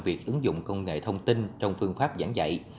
việc ứng dụng công nghệ thông tin trong phương pháp giảng dạy